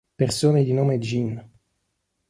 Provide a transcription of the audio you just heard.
Persone di nome Jean